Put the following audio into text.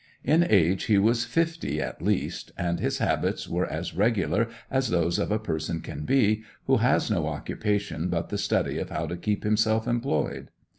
In age he was fifty at least, and his habits were as regular as those of a person can be who has no occupation but the study of how to keep himself employed.